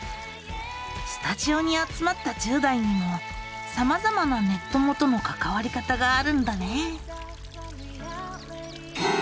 スタジオに集まった１０代にもさまざまなネッ友とのかかわり方があるんだね。